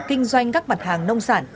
kinh doanh các mặt hàng nông sản